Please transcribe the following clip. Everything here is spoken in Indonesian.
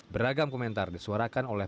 beragam komentar disuarakan oleh